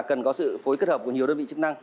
cần có sự phối kết hợp của nhiều đơn vị chức năng